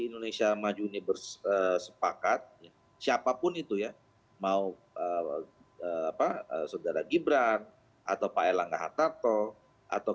indonesia maju ini bersepakat siapapun itu ya mau apa saudara gibran atau pak elangga hartarto atau